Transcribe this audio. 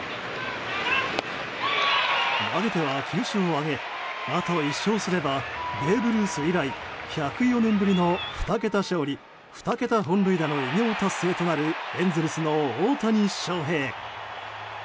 投げては９勝を挙げあと１勝すればベーブ・ルース以来１０４年ぶりの２桁勝利２桁本塁打の偉業達成となるエンゼルスの大谷翔平。